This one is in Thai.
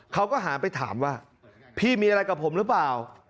เขาก็หันไปถามว่าพี่มีอะไรกับผมหรือเปล่า